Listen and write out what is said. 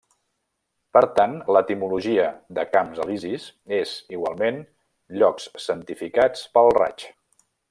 Per tant, l'etimologia de camps Elisis és, igualment, llocs santificats pel raig.